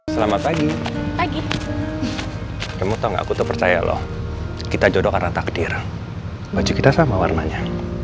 selamat pagi pagi kamu tuh percaya loh kita jodoh karena takdir baju kita sama warnanya